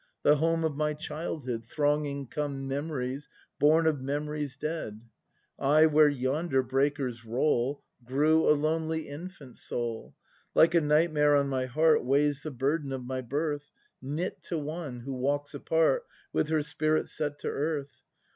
The home Of my childhood. Thronging come Memories born of memories dead. I, where yonder breakers roll, Grew, a lonely infant soul. Like a nightmare on my heart Weighs the burden of my birth. Knit to one, who walks apart With her spirit set to earth.